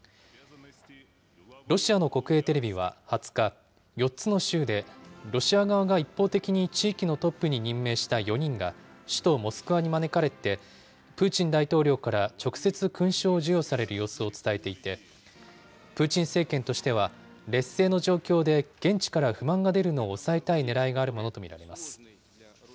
ロシアの国営テレビは２０日、４つの州でロシア側が一方的に地域のトップに任命した４人が、首都モスクワに招かれて、プーチン大統領から直接、勲章を授与される様子を伝えていて、プーチン政権としては劣勢の状況で現地から不満が出るのを抑えたいねらいがあるものと見られます。